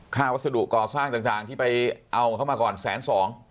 วัสดุก่อสร้างต่างที่ไปเอาของเขามาก่อนแสนสอง